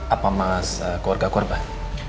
apa mas keluarga korban